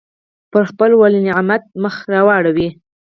پر خپل ولینعمت مخ را اړوي.